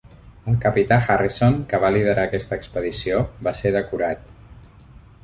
El capità Harrison, que va liderar aquesta expedició, va ser decorat.